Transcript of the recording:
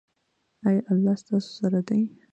ایا الله ستاسو سره دی؟